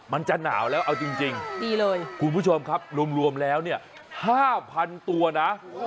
มันจะหนาวแล้วเอาจริงคุณผู้ชมครับรวมแล้ว๕๐๐๐ตัวนะ